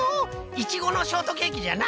イチゴのショートケーキじゃな！